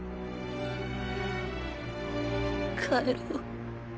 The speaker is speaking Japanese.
帰ろう。